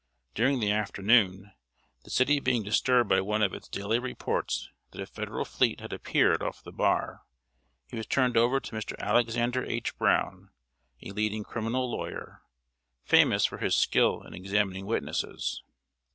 During the afternoon, the city being disturbed by one of its daily reports that a Federal fleet had appeared off the bar, he was turned over to Mr. Alexander H. Brown, a leading criminal lawyer, famous for his skill in examining witnesses.